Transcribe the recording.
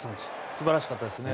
素晴らしかったですね。